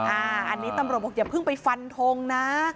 อันนี้ตำรวจบอกอย่าเพิ่งไปฟันทงนะ